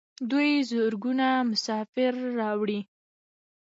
دوی زرګونه مسافر راوړي.